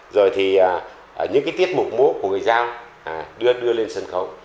rồi thì những tiết mục mũ của người giao đưa lên sân khấu